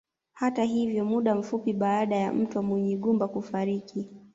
Hata hivyo muda mfupi baada ya Mtwa Munyigumba kufariki